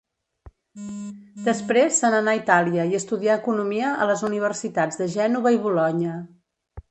Després se n'anà a Itàlia i estudià economia a les universitats de Gènova i Bolonya.